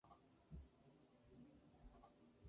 Se graduó en la Universidad de California.